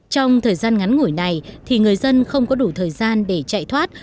trong thời gian ngắn ngủi này thì người dân không có đủ thời gian để chạy thoát